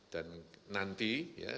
dan nanti ya